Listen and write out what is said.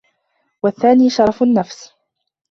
وَالثَّانِي شَرَفُ النَّفْسِ